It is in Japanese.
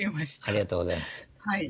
ありがとうございます。